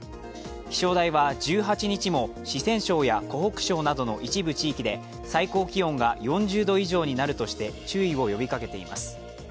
気象台は１８日も四川省や湖北省などの一部地域で最高気温が４０度以上になるとして注意を呼びかけています。